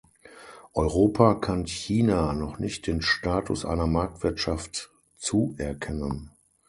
Europa kann China noch nicht den Status einer Marktwirtschaft zuerkennen.